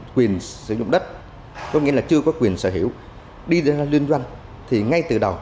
quyền sử dụng đất có nghĩa là chưa có quyền sở hữu đi ra liên doanh thì ngay từ đầu